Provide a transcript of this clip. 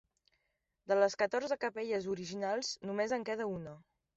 De les catorze capelles originals només en queda una.